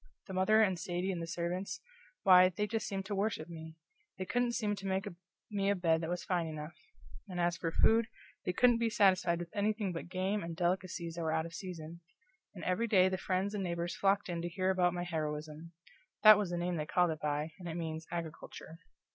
The mother and Sadie and the servants why, they just seemed to worship me. They couldn't seem to make me a bed that was fine enough; and as for food, they couldn't be satisfied with anything but game and delicacies that were out of season; and every day the friends and neighbors flocked in to hear about my heroism that was the name they called it by, and it means agriculture.